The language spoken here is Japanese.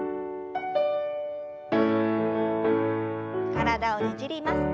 体をねじります。